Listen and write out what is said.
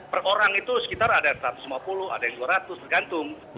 per orang itu sekitar ada satu ratus lima puluh ada yang dua ratus tergantung